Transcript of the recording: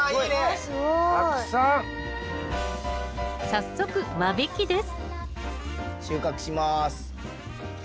早速間引きです収穫します。